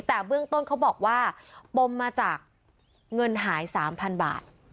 แต่เบื้องต้นเขาบอกว่าปมมาจากเงินหาย๓๐๐๐บาท